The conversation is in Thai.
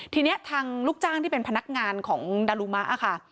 ทีนี้ทางลูกจ้างที่เป็นพนักงานของดารุมะค่ะ